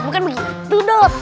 bukan begitu dodot